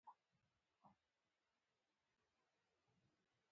زړه د رښتیا خوندي ځای دی.